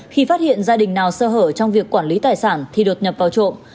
khi phát hiện gia đình nào sơ hở trong việc quản lý tài sản thì đột nhập vào trộm